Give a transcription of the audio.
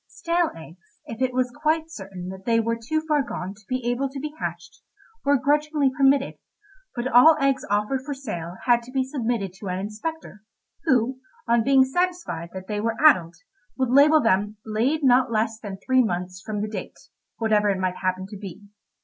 Stale eggs, if it was quite certain that they were too far gone to be able to be hatched, were grudgingly permitted, but all eggs offered for sale had to be submitted to an inspector, who, on being satisfied that they were addled, would label them "Laid not less than three months" from the date, whatever it might happen to be.